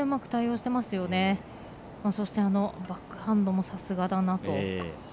そして、バックハンドもさすがだなと。